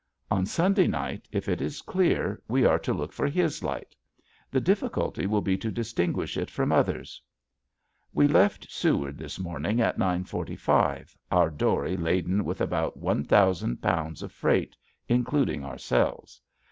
On Sunday night, if it is clear, we are to look for his light. The difficulty will be to distinguish it from others. We left Seward this morning at 9.45, our dory laden with about one thousand pounds of freight including ourselves.